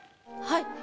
はい。